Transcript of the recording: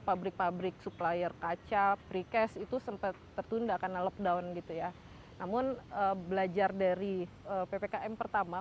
fabrik fabrik supplier kaca precast itu sempat tertunda karena lockdown gitu ya